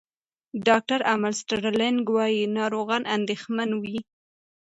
ډاکټر امل سټرلینګ وايي، ناروغان اندېښمن وي.